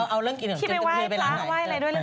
กินอะไรที่จะเพลยไปร้านไหน